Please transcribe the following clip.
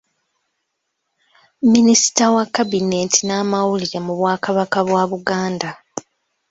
Minisita wa Kabineeti n’amawulire mu bwakabaka bwa Buganda.